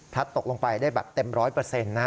พัดตกลงไปได้แบบเต็ม๑๐๐นะฮะ